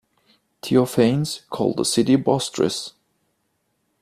Theophanes called the city Bostrys.